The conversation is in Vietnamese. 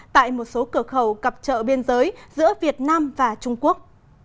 tại một số cửa khẩu cặp trợ biên giới giữa việt nam và trung quốc